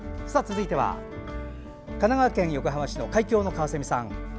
続いては、神奈川県横浜市の海峡のカワセミさん。